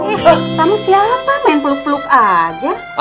hehehe kamu siapa main peluk peluk aja